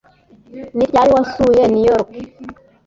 Ni ryari wasuye New York